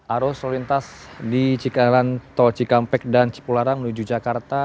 aruh seluruh lintas di tol cikampek dan cipularang menuju jakarta